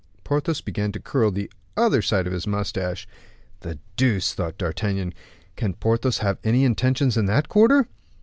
Porthos began to curl the other side of his mustache. "The deuce," thought D'Artagnan, "can Porthos have any intentions in that quarter?"